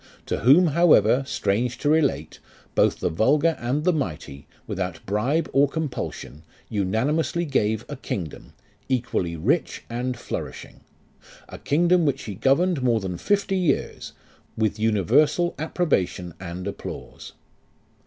To whom however, Strange to relate, Both the vulgar and the mighty, Without bribe or compulsion, Unanimously gave A kingdom, equally rich and flourishing. A kingdom which he governed More than fifty years, With universal approbation and applause.